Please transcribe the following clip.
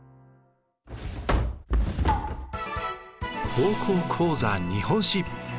「高校講座日本史」。